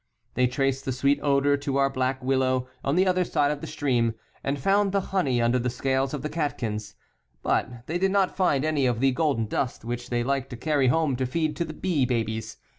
They traced the sweet odor 6. Pistillate Catkin. (q OUr Black WilloW On the other side of the stream, and found the honey under the scales of the catkins (Fig. 6). But they did not find any of the golden dust which they liked to carry home to feed to the bee babies.